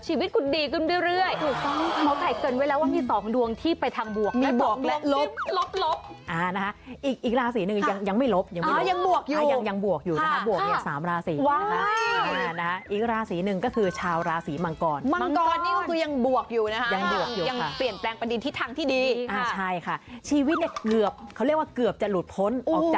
ชีวิตคุณดีขึ้นไปเรื่อย